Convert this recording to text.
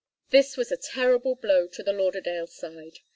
This was a terrible blow to the Lauderdale side.